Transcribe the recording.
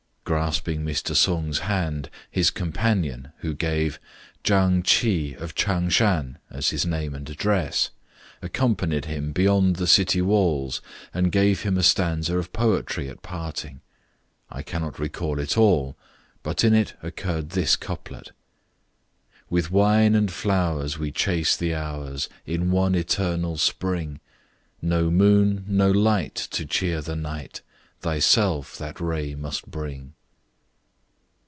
Grasping Mr. Sung's hand, his companion, who gave " Chang Ch'i of Ch'ang shan" as his name and address, accompanied him beyond the city walls and gave him a stanza of poetry at parting. I cannot recollect it all, but in it occurred this couplet: '' With wine and flowers we chase the hours, In one eternal spring : No moon, no light, to cheer the night Thyself that ray must bring."